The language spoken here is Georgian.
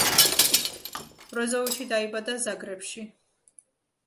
ბროზოვიჩი დაიბადა ზაგრებში.